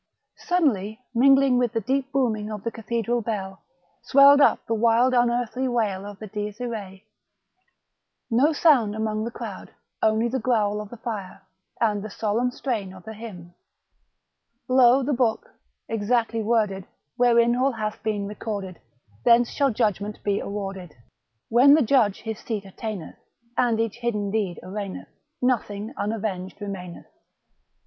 Suddenly, mingling with the deep booming of the cathedral bell, swelled up the wild unearthly wail of the Dies irce. 236 THE BOOK OF WERE WOLVES. No soiind among the crowd, only the growl of the fire, and the solemn strain of the hymn :— Lo, the Book, exactly worded, Wherein all hath been recorded; Thence shall judgment be awarded. When the Judge his seat attaineth, And each hidden deed arraigneth, Nothing unayenged remaineth.